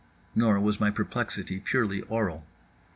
Nor was my perplexity purely aural.